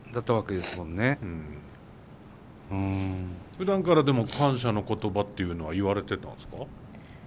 ふだんからでも感謝の言葉っていうのは言われてたんですか？